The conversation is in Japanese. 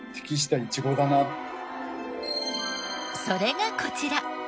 それがこちら。